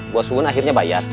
bos wun akhirnya bayar